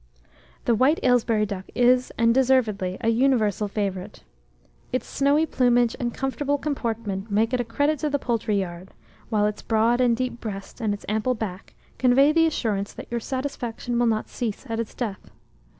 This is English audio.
The white Aylesbury duck is, and deservedly, a universal favourite. Its snowy plumage and comfortable comportment make it a credit to the poultry yard, while its broad and deep breast, and its ample back, convey the assurance that your satisfaction will not cease at its death.